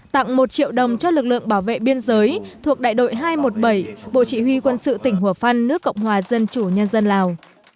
tặng một triệu đồng cho lực lượng bảo vệ biên giới thuộc đại đội hai trăm một mươi bảy bộ chỉ huy quân sự tỉnh hùa phan nước cộng hòa dân chủ nhân dân lào